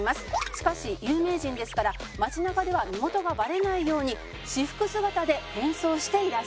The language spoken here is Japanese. しかし有名人ですから街なかでは身元がバレないように私服姿で変装していらっしゃいます。